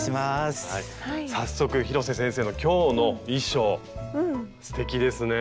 早速広瀬先生の今日の衣装すてきですね。